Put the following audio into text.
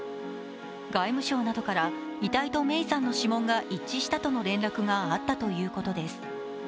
外務省などから遺体と芽生さんの指紋が一致したとの連絡があったということです。